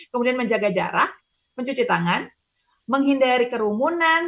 kemudian menjaga jarak mencuci tangan menghindari kerumunan